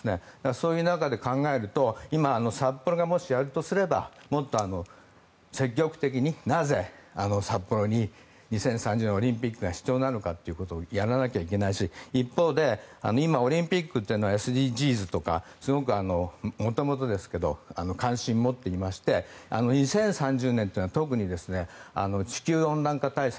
そういう中で考えると札幌がやるとすればもっと積極的になぜ、札幌に２０３０年オリンピックが必要なのかということをやらなきゃいけないし今、一方でオリンピックというのはＳＤＧｓとかすごく元々ですけど関心を持っていまして２０３０年というのは特に地球温暖化対策